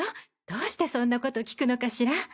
どうしてそんなこと聞くのかしら？